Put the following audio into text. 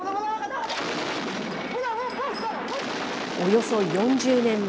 およそ４０年前、